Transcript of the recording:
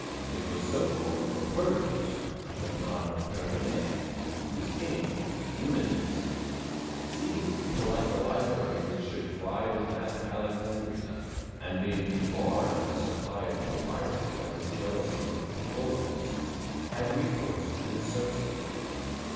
It was so called from Pergamus (membrana pergamea), whose king, Eumenes, seeking to collect a library which should vie with that of Alexandria, and being debarred a supply of papyrus by the jealousy of the Ptolemies, had recourse to this substitute.